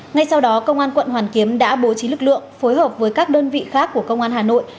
ngay sau đó công an quận hoàn kiếm đã bố trí lực lượng phối hợp với các đơn vị khác của công an hà nội